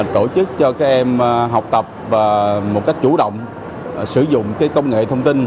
tổ chức cho các em học tập một cách chủ động sử dụng cái công nghệ thông tin